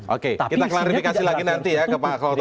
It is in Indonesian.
oke kita kelarifikasi lagi nanti ya pak al hotod